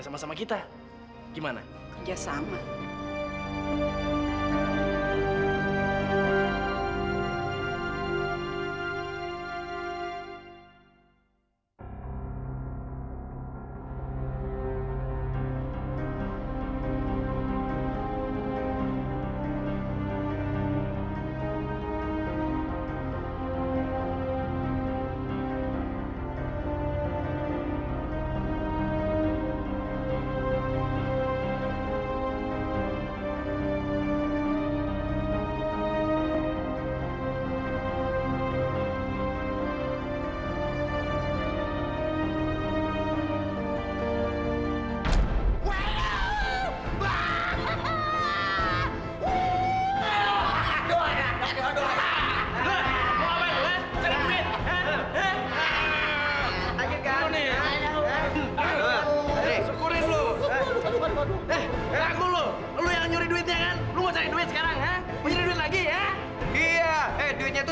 sampai jumpa di video selanjutnya